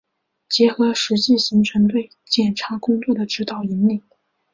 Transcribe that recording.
结合实际形成对检察工作的指导、引领